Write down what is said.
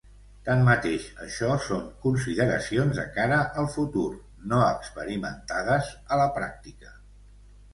Tanmateix això són consideracions de cara al futur, no experimentades a la pràctica.